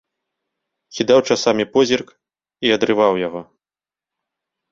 Кідаў часамі позірк і адрываў яго.